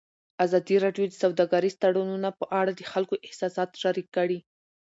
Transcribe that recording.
ازادي راډیو د سوداګریز تړونونه په اړه د خلکو احساسات شریک کړي.